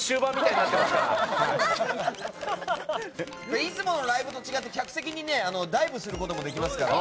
いつものライブと違って客席にダイブすることもできますから。